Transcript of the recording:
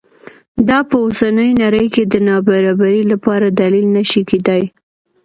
دا په اوسنۍ نړۍ کې د نابرابرۍ لپاره دلیل نه شي کېدای.